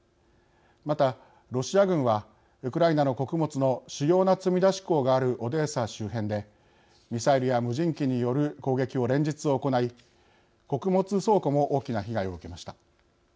またロシア軍はウクライナの穀物の主要な積み出し港があるオデーサ周辺でミサイルや無人機による攻撃を連日行い、穀物倉庫も大きな被害を受けました。